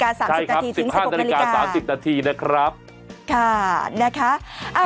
สารสิบนาทีนี่สามสิบนาทีนะครับค่ะน่ะค่ะ